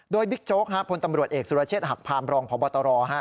โดยบิ๊กโจ๊กพลตำรวจเอกสุรเชษฐหักพามรองพบตร